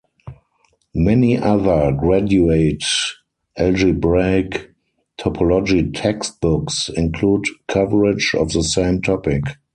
Many other graduate algebraic topology textbooks include coverage of the same topic.